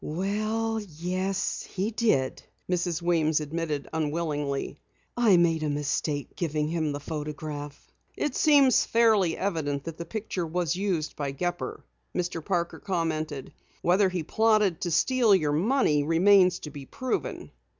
"Well, yes, he did," Mrs. Weems admitted unwillingly. "I made a mistake giving him the photograph." "It seems fairly evident that the picture was used by Gepper," Mr. Parker commented. "Whether he plotted to steal your money remains to be proven.